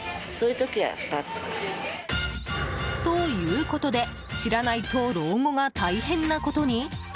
ということで知らないと老後が大変なことに？